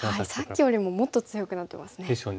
さっきよりももっと強くなってますね。ですよね。